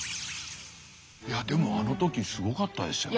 いやでもあの時すごかったですよね。